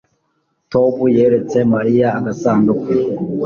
Tom yeretse Mariya agasanduku